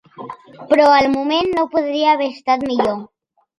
Però el moment no podria haver estat millor.